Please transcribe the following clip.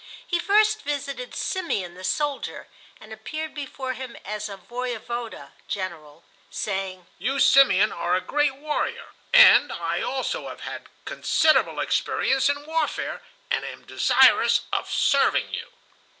He first visited Simeon the soldier, and appeared before him as a voyevoda (general), saying: "You, Simeon, are a great warrior, and I also have had considerable experience in warfare, and am desirous of serving you."